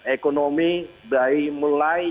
ekonomi dari mulai